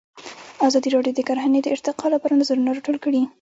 ازادي راډیو د کرهنه د ارتقا لپاره نظرونه راټول کړي.